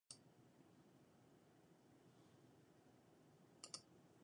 "Lock him out," said Mrs. Poole.